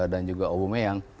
dan juga aubameyang